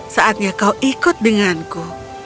saatnya kau ikut denganku